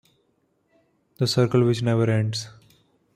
The circle which never ends.